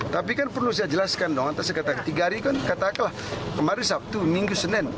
tapi kan perlu saya jelaskan dong antara tiga hari kan katakanlah kemarin sabtu minggu senin